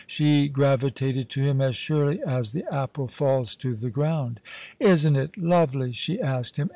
She gravitated to him as surely as the aj)ple falls to the ground. "Isn't it lovely?" she asked him.